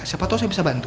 siapa tau saya bisa bantu